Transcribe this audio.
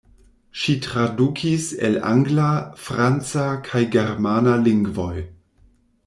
Ŝi tradukis el angla, franca kaj germana lingvoj.